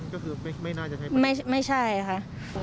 ก็คือไม่น่าจะใช้ประโยชน์ใช่ไหมครับไม่ใช่ค่ะใช่